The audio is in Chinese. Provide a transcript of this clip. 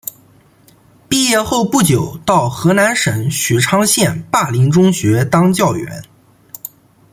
毕业后不久到河南省许昌县灞陵中学当教员。